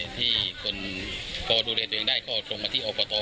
ที่คนพอดูแลตัวเองได้ก็ตรงมาที่อบต